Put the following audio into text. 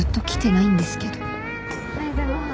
おはようございます。